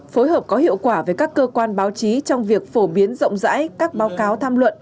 phối hợp có hiệu quả với các cơ quan báo chí trong việc phổ biến rộng rãi các báo cáo tham luận